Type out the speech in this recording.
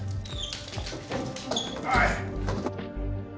おい！